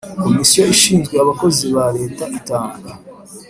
Komisiyo ishinzwe abakozi ba Leta itanga